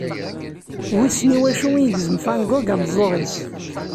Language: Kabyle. Wissen i wacu i yegzem Van Gogh ameẓẓuɣ-is.